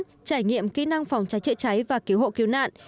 trải nghiệm kỹ năng phòng cháy chữa cháy và cứu hộ cứu nạn